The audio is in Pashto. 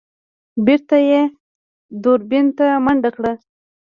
بېرته يې دوربين ته منډه کړه.